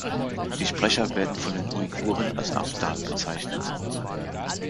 Die Sprecher werden von den Uiguren als Abdal bezeichnet.